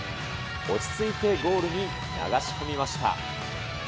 落ち着いてゴールに流し込みました。